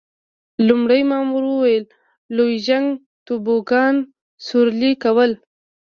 لومړي مامور وویل: لوژینګ، توبوګان سورلي کول.